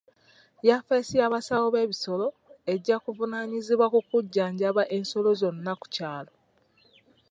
Yafesi y'abasawo b'ebisolo ejja kuvunaanyizibwa ku kujjanjaba ensolo zonna ku kyalo.